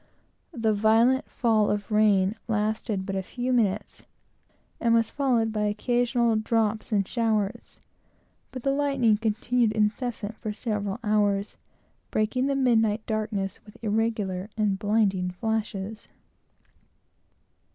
The violent fall of rain lasted but a few minutes, and was succeeded by occasional drops and showers; but the lightning continued incessant for several hours, breaking the midnight darkness with irregular and blinding flashes.